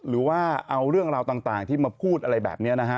หรือว่าเอาเรื่องราวต่างที่มาพูดอะไรแบบนี้นะฮะ